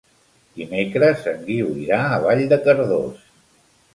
Dimecres en Guiu irà a Vall de Cardós.